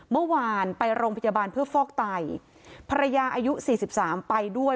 เมื่อวานไปโรงพยาบาลเพื่อฟอกไตภรรยาอายุสี่สิบสามไปด้วย